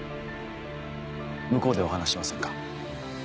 向こうでお話ししませんか？